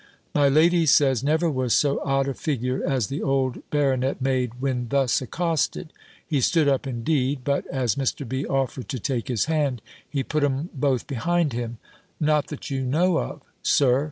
My lady says, never was so odd a figure as the old baronet made, when thus accosted. He stood up indeed; but as Mr. B. offered to take his hand, he put 'em both behind him. "Not that you know of. Sir!"